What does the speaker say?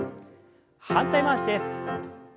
反対回しです。